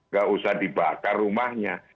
gak usah dibakar rumahnya